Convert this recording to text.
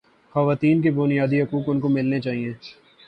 خواتین کے بنیادی حقوق ان کو ملنے چاہیے